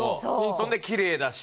ほんでキレイだし。